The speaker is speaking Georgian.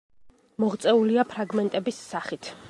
მოღწეულია ფრაგმენტების სახით.